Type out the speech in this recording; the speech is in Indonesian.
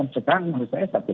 sekarang menurut saya